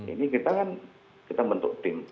ini kita kan kita bentuk tim